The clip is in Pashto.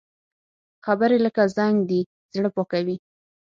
خبرې لکه زنګ دي، زړه پاکوي